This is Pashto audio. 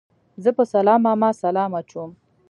زه په سلام ماما سلام اچوم